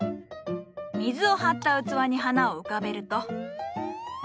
水を張った器に花を浮かべると。